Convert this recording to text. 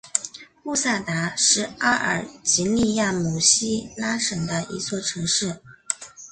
布萨达是阿尔及利亚姆西拉省的一座城市。